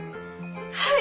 はい！